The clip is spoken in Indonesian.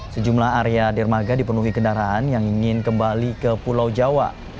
sejumlah area dermaga dipenuhi kendaraan yang ingin kembali ke pulau jawa